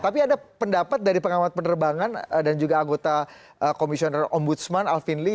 tapi ada pendapat dari pengamat penerbangan dan juga anggota komisioner ombudsman alvin lee